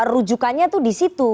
rujukannya itu di situ